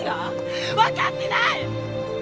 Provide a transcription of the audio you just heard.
わかってない！！